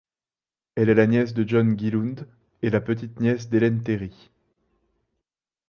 Elle est la nièce de John Gielgud et la petite-nièce d'Ellen Terry.